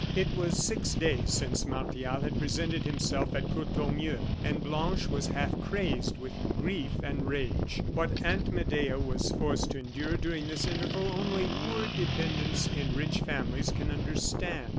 It was six days since Martial had presented himself at Courtornieu; and Blanche was half crazed with grief and rage. What Aunt Medea was forced to endure during this interval, only poor dependents in rich families can understand.